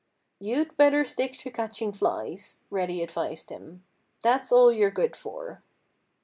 "You'd better stick to catching flies," Reddy advised him. "That's all you're good for."